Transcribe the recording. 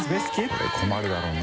これ困るだろうな。